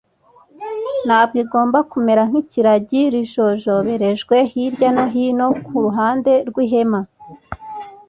ntabwo igomba kumera nk’irangi rijojoberejwe hirya no hino ku ruhande rw’ihema